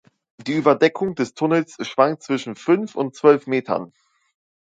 Die Überdeckung des Tunnels schwankt zwischen fünf und zwölf Metern.